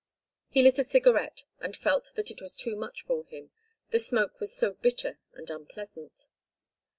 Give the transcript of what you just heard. He lit a cigarette and felt that it was too much for him—the smoke was so bitter and unpleasant.